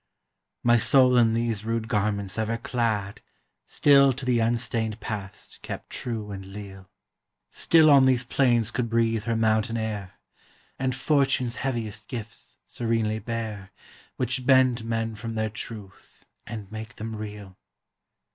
My soul in these rude garments ever clad Still to the unstained past kept true and leal, 379 PERSIA Still on these plains could breathe her mountain air, And fortune's heaviest gifts serenely bear, Which bend men from their truth and make them reel.